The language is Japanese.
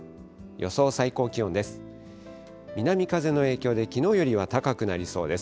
予想最高気温です。